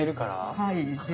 はい。